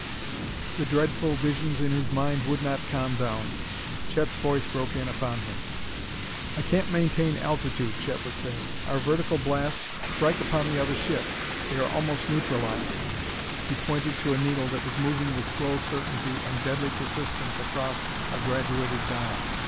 The dreadful visions in his mind would not down.... Chet's voice broke in upon him. "I can't maintain altitude," Chet was saying. "Our vertical blasts strike upon the other ship; they are almost neutralized." He pointed to a needle that was moving with slow certainty and deadly persistence across a graduated dial.